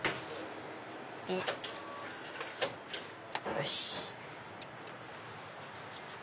よし！